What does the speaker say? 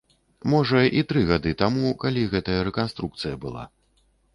Можа, і тры гады таму, калі гэтая рэканструкцыя была.